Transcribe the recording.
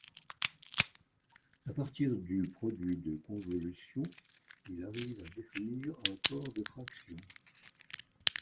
À partir du produit de convolution, il arrive à définir un corps de fractions.